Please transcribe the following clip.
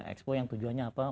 ekspo yang tujuannya apa